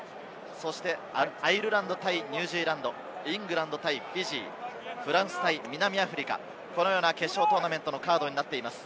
そして、アイルランド対ニュージーランド、イングランド対フィジー、フランス対南アフリカ、このような決勝トーナメントのカードになっています。